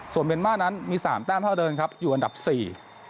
ส่วนเมียนมาร์นั้นมีสามแต้มเท่าเดิมครับอยู่อันดับสี่